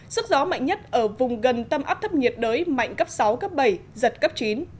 sức gió mạnh nhất ở vùng gần tâm áp thấp nhiệt đới mạnh cấp sáu cấp bảy giật cấp chín